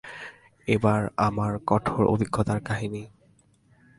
এইবার আমার কঠোর অভিজ্ঞতার কাহিনী।